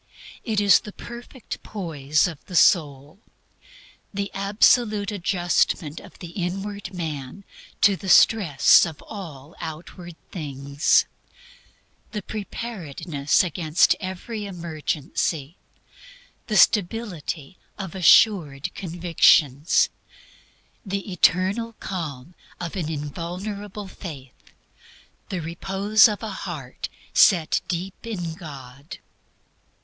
It is the perfect poise of the soul; the absolute adjustment of the inward man to the stress of all outward things; the preparedness against every emergency; the stability of assured convictions; the eternal calm of an invulnerable faith; the repose of a heart set deep in God.